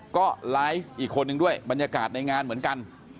ก็ไลฟ์อีกคนนึงด้วยบรรยากาศในงานเหมือนกัน